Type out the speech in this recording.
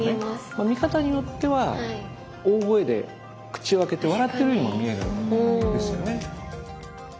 見方によっては大声で口を開けて笑ってるようにも見えるんですよね。